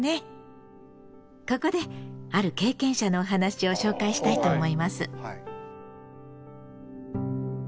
ここである経験者のお話を紹介したいと思います。